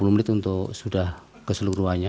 dua puluh menit untuk sudah keseluruhannya